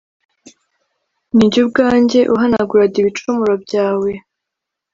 Ni jye ubwanjye uhanagura d ibicumuro byawe